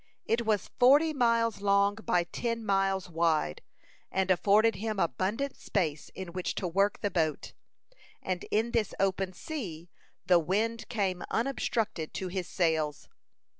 It was forty miles long by ten miles wide, and afforded him abundant space in which to work the boat. And in this open sea the wind came unobstructed to his sails.